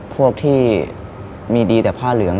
พวกที่มีดีแต่ผ้าเหลือง